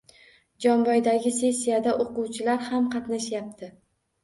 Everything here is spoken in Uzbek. Jomboydagi sessiyada o‘quvchilar ham qatnashyapti